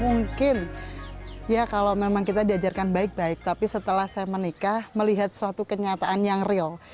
mungkin ya kalau memang kita diajarkan baik baik tapi setelah saya menikah melihat suatu kenyataan yang real